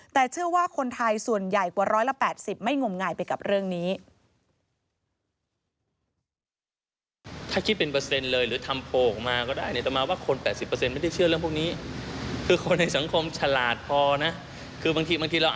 แต่เชื่อว่าคนไทยส่วนใหญ่กว่า๑๘๐ไม่งมงายไปกับเรื่องนี้